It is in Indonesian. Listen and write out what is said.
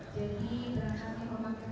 jadi berangkatnya memakai